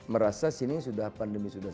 merasa sini sudah pandemi sudah